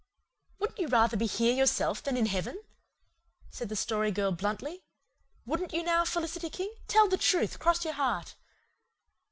"Wouldn't you rather be here yourself than in heaven?" said the Story Girl bluntly. "Wouldn't you now, Felicity King? Tell the truth, 'cross your heart."